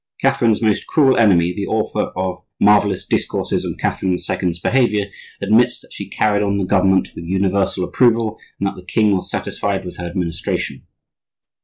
Catherine's most cruel enemy, the author of "Marvellous Discourses on Catherine the Second's Behavior" admits that she carried on the government with universal approval and that the king was satisfied with her administration.